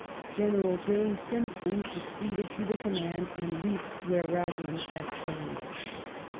General James Simpson succeeded to the command, €Uid reaped where Raglan had sown.